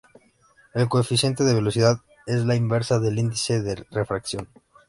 El coeficiente de velocidad es la inversa del índice de refracción.